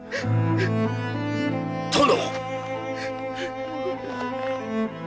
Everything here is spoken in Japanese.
殿！